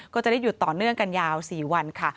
ก็จะได้หยุดต่อเนื่องกันยาว๔วันค่ะ